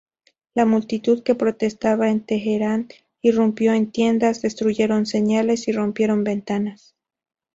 La multitud que protestaba en Teherán irrumpió en tiendas, destruyeron señales y rompieron ventanas.